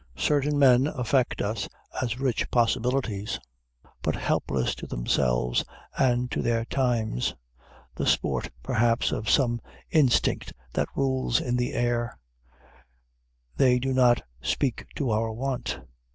Certain men affect us as rich possibilities, but helpless to themselves and to their times, the sport perhaps, of some instinct that rules in the air, they do not speak to our want.